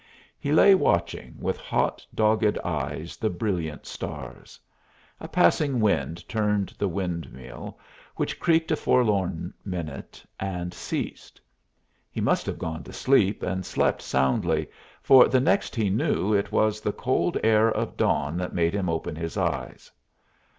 He lay watching with hot, dogged eyes the brilliant stars. A passing wind turned the windmill, which creaked a forlorn minute, and ceased. He must have gone to sleep and slept soundly, for the next he knew it was the cold air of dawn that made him open his eyes.